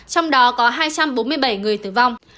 trong đó có hai trăm bốn mươi bảy người tử vong